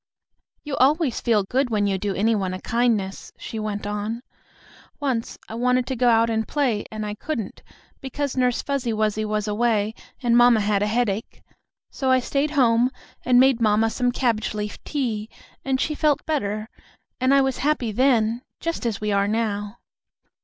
"You always feel good when you do any one a kindness," she went on. "Once I wanted to go out and play, and I couldn't, because Nurse Fuzzy Wuzzy was away and mamma had a headache. So I stayed home and made mamma some cabbage leaf tea, and she felt better, and I was happy then, just as we are now."